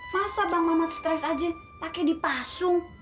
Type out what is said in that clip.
masa bang mamat stres aja pakai dipasung